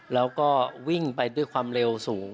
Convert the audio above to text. แล้วก็วิ่งไปด้วยความเร็วสูง